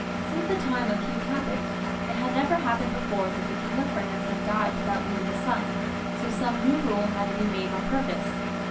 Since the time of XXII.] LOUIS X. {LE MUTINY 143 Hugh Capet, it had never happened before that the King of France had died without leaving a son, so some new rule had to be made on purpose.